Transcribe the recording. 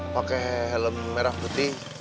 pakai helm merah putih